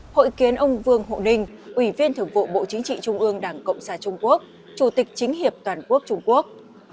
hội kiến ông vương hộ ninh ủy viên thưởng vụ bộ chính trị trung ương đảng cộng sản trung quốc chủ tịch chính hiệp toàn quốc trung quốc